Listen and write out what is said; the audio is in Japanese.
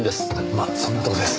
まあそんなところです。